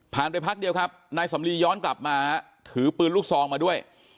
ไปพักเดียวครับนายสำลีย้อนกลับมาถือปืนลูกซองมาด้วย